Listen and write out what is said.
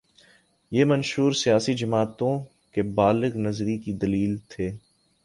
یہ منشور سیاسی جماعتوں کی بالغ نظری کی دلیل تھے۔